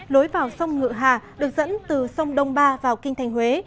lối vào sông ngựa hà được dẫn từ sông đông ba vào kinh thành huế